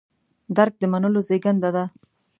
درک د منلو زېږنده ده.